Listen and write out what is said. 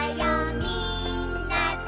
みんなで」